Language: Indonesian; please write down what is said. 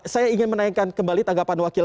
saya ingin menaikkan kembali tanggapan wakil